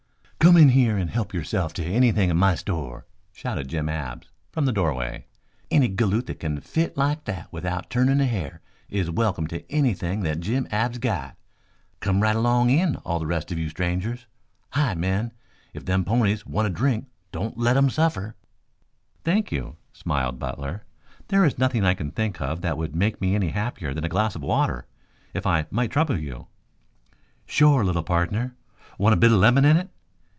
"Come in here and help yourself to anything in my store," shouted Jim Abs from the doorway. "Any galoot that can fit like that without turnin' a hair is welcome to anything that Jim Abs's got. Come right along in, all the rest of you strangers. Hi, men, if them ponies want to drink don't let 'em suffer." "Thank you," smiled Butler. "There is nothing that I can think of that would make me any happier than a glass of water, if I might trouble you." "Shore, little pardner. Want a bit of lemon in it?"